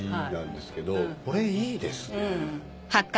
これいいですね。